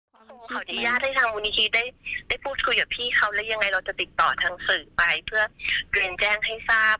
เพราะพี่ท็อปเองเราก็ทำงานอยู่ใต้ร่มพระบรมทธิสมภารนะคะทำงานอยู่บนผืนแผ่นดินไทย